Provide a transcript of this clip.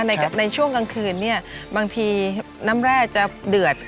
ในช่วงกลางคืนเนี่ยบางทีน้ำแร่จะเดือด